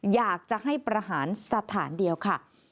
อยากจะให้ประหารสถานเดียวค่ะ